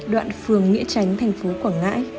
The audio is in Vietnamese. đoạn phường nghĩa tránh thành phố quảng ngãi